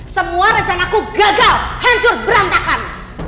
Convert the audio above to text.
semua rencana ku gagal hancur berantakan